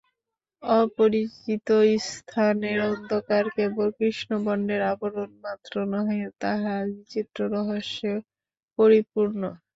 অপরিচিত স্থানের অন্ধকার কেবল কৃষ্ণবর্ণের আবরণ মাত্র নহে, তাহা বিচিত্র রহস্যে পরিপূর্ণ।